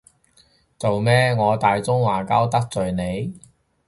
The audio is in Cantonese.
做咩，我大中華膠得罪你？